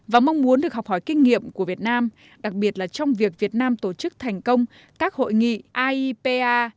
và mong muốn được học hỏi kinh nghiệm của việt nam đặc biệt là trong việc việt nam tổ chức thành công các hội nghị aipa